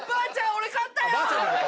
俺勝ったよ！